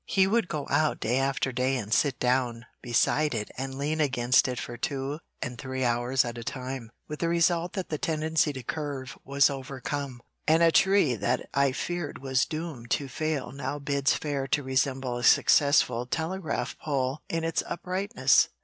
He would go out day after day and sit down beside it and lean against it for two and three hours at a time, with the result that the tendency to curve was overcome, and a tree that I feared was doomed to fail now bids fair to resemble a successful telegraph pole in its uprightness.